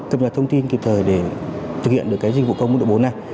cập nhật thông tin kịp thời để thực hiện được cái dịch vụ công vụ đội bốn này